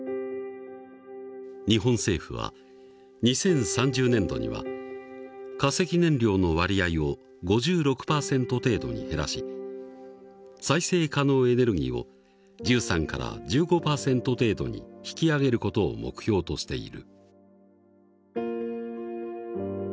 日本政府は２０３０年度には化石燃料の割合を５６％程度に減らし再生可能エネルギーを１３から１５％程度に引き上げる事を目標としている。